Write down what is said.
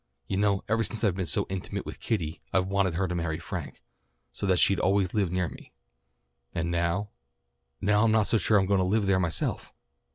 You know ever since I've been so intimate with Kitty I've wanted her to marry Frank, so that she'd always live near me. And now now I'm not so sure that I'm going to live there myself."